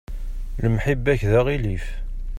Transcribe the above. Lemḥibba-k d aɣilif.